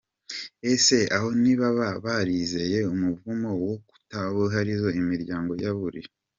Ese aho ntibaba barazize umuvumo wo kutubahirizo imiziririzo y’abiru ?